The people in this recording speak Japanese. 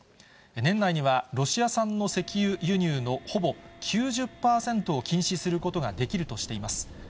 年内には、ロシア産の石油輸入のほぼ９０％を禁止することができるとしています。